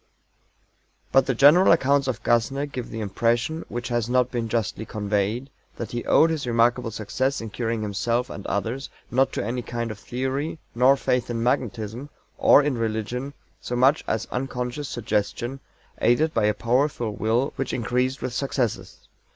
But the general accounts of GASSNER give the impression, which has not been justly conveyed, that he owed his remarkable success in curing himself and others not to any kind of theory nor faith in magnetism, or in religion, so much as unconscious suggestion, aided by a powerful Will which increased with successes.